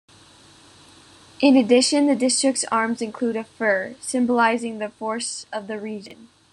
In addition the district's arms include a fir, symbolising the forests of the region.